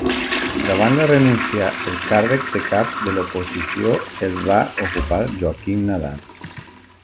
Davant la renúncia, el càrrec de cap de l'oposició el va ocupar Joaquim Nadal.